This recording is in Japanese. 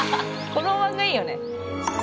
このおわんがいいよね。